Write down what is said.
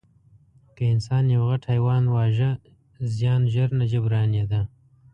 که انسان یو غټ حیوان واژه، زیان ژر نه جبرانېده.